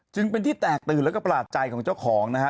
จึงเป็นที่แตกตื่นแล้วก็ประหลาดใจของเจ้าของนะฮะ